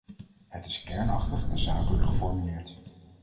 Het is kernachtig en zakelijk geformuleerd.